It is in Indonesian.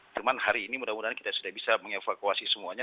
cuman hari ini mudah mudahan kita sudah bisa mengevakuasi semuanya